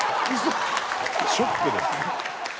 ショックです。